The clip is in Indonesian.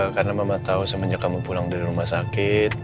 karena mama tau semenjak kamu pulang dari rumah sakit